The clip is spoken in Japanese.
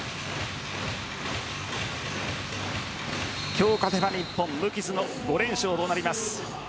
今日勝てば日本、無傷の５連勝となります。